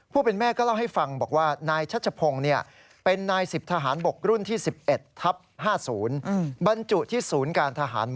ผู้เป็นแม่ก็เล่าให้ฟังบอกว่า